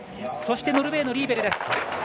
そして、ノルウェーのリーベル。